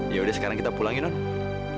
ya udah sekarang kita pulangin non